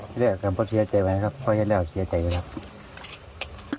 เชื่อใจไหมครับพ่อเลี้ยงแล้วเชื่อใจไหมครับ